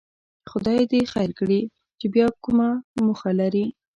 خدای دې خیر کړي چې بیا کومه موخه لري.